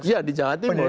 ya di jawa timur